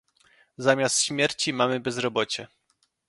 Zamiast śmierci mamy bezrobocie